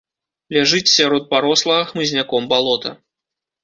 Ляжыць сярод парослага хмызняком балота.